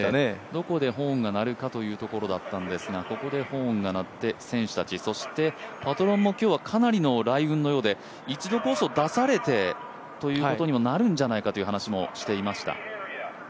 どこでホーンが鳴るかということだったんですがここでホーンが鳴って選手たち、そしてパトロンも今日はかなりの雷雲のようで一度コースを出されてということになるんじゃないかという話しもしていました。